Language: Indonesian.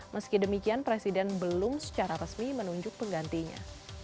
meski demikian presiden belum secara resmi menunjuk penggantinya